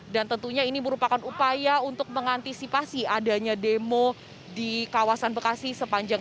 dan tentunya ini merupakan upaya untuk mengantisipasi adanya demo di kawasan bekasi sepanjang